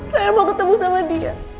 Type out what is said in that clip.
saya mau ketemu sama dia